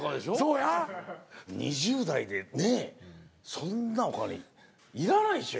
そんなお金いらないでしょ？